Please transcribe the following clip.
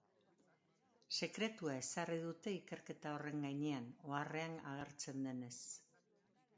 Sekretua ezarri dute ikerketa horren gainean, oharrean agertzen denez.